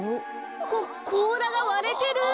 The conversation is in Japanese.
ここうらがわれてる！